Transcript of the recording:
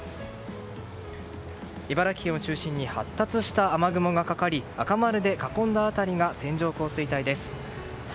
茨城県を中心に発達した雨雲がかかり赤丸で囲んだ辺りが線状降水帯です。